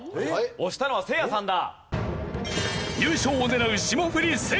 押したのはせいやさんだ。